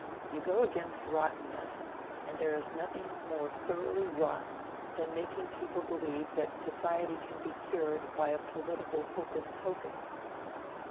You go against rottenness, and there is nothing more thoroughly rotten than making people believe that society can be cured by a political hocus pocus."